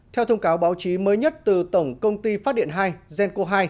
theo thông cáo báo chí mới nhất từ tổng công ty phát điện hai genco hai